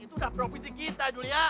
itu udah provisi kita julia